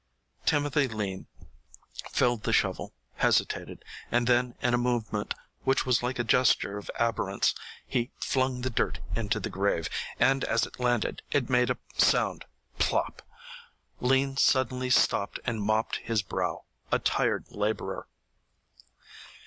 Timothy Lean filled the shovel, hesitated, and then in a movement which was like a gesture of abhorrence he flung the dirt into the grave, and as it landed it made a sound plop! Lean suddenly stopped and mopped his brow a tired laborer.